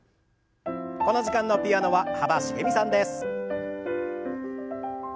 この時間のピアノは幅しげみさんです。